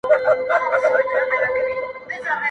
ازادۍ ږغ اخبار د هر چا لاس کي ګرځي,